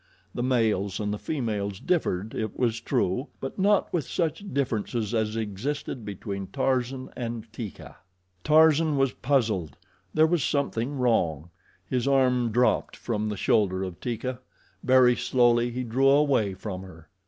The males and the females differed, it was true; but not with such differences as existed between Tarzan and Teeka. Tarzan was puzzled. There was something wrong. His arm dropped from the shoulder of Teeka. Very slowly he drew away from her.